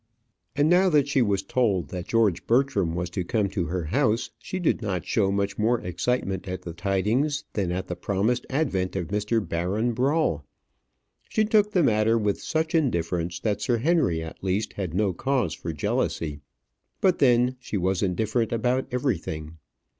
And now that she was told that George Bertram was to come to her house, she did not show much more excitement at the tidings than at the promised advent of Mr. Baron Brawl. She took the matter with such indifference that Sir Henry, at least, had no cause for jealousy. But then she was indifferent about everything.